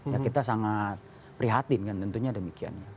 ya kita sangat prihatin kan tentunya demikian ya